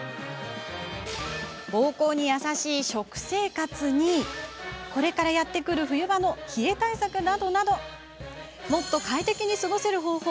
ぼうこうに優しい食生活にこれからやってくる冬場の冷え対策などなどもっと快適に過ごせる方法